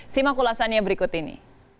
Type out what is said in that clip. simak ulasannya berikut ini